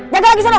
jangan lagi salah